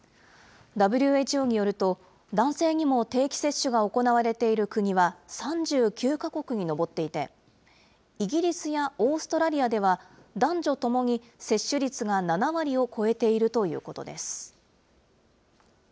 ＷＨＯによると、男性にも定期接種が行われている国は３９か国に上っていて、イギリスやオーストラリアでは、男女ともに接種率が７割を超えているということです。